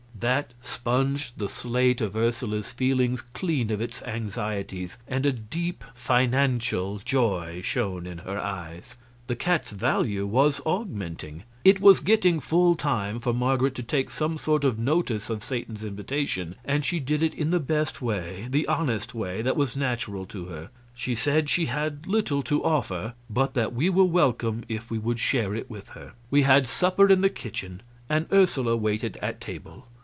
That sponged the slate of Ursula's feelings clean of its anxieties, and a deep, financial joy shone in her eyes. The cat's value was augmenting. It was getting full time for Marget to take some sort of notice of Satan's invitation, and she did it in the best way, the honest way that was natural to her. She said she had little to offer, but that we were welcome if we would share it with her. We had supper in the kitchen, and Ursula waited at table.